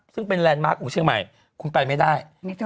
ซึ่งเป็นแลนด์มาร์คของเชียงใหม่คุณไปไม่ได้